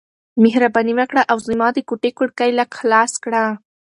مهرباني وکړه او زما د کوټې کړکۍ لږ خلاص کړه.